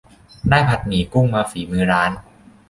ได้ผัดหมี่กุ้งมาฝีมือร้าน